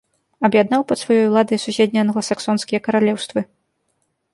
Аб'яднаў пад сваёй уладай суседнія англасаксонскія каралеўствы.